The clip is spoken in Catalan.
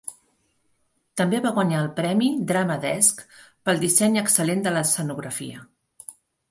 També va guanyar el premi Drama Desk pel disseny excel·lent de l'escenografia.